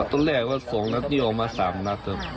ตอนแรกว่าสองหนักได้ออกมาสามนัก